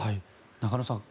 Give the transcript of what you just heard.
中野さん